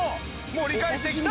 盛り返してきた！